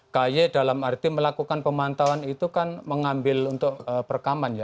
ky dalam arti melakukan pemantauan itu kan mengambil untuk perekaman ya